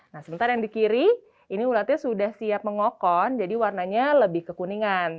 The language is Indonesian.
nah sementara yang di kiri ini ulatnya sudah siap mengokon jadi warnanya lebih kekuningan